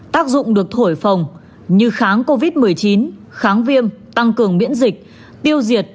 tác dụng được thổi phòng như kháng covid một mươi chín kháng viêm tăng cường miễn dịch tiêu diệt